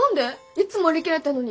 いっつも売り切れてるのに。